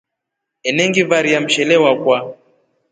Enengivaria mshele wakwa.